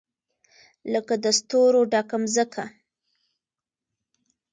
لکه د ستورو ډکه مځکه